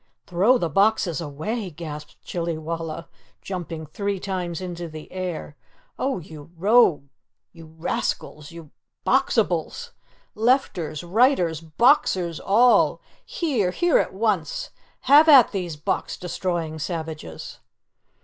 "Throw the boxes away!" gasped Chillywalla, jumping three times into the air. "Oh, you rogues! You rascals! You YOU BOXIBALS! Lefters! Righters! Boxers all! Here! Here at once! Have at these Box destroying savages!"